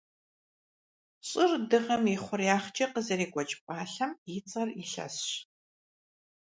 Щӏыр Дыгъэм и хъуреягъкӏэ къызэрекӏуэкӏ пӏалъэм и цӏэр илъэсщ.